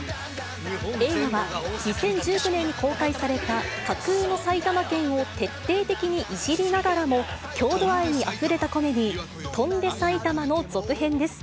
映画は２０１９年に公開された、架空の埼玉県を徹底的にいじりながらも、郷土愛にあふれたコメディー、翔んで埼玉の続編です。